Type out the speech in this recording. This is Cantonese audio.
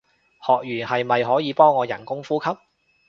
學完係咪可以幫我人工呼吸